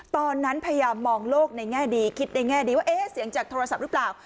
พยายามมองโลกในแง่ดีคิดในแง่ดีว่าเอ๊ะเสียงจากโทรศัพท์หรือเปล่า